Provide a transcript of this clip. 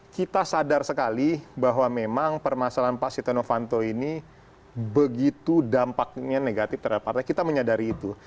kita sadar sekali bahwa memang permasalahan pak sita novanto ini begitu dampaknya negatif terhadap partai kita menyadari itu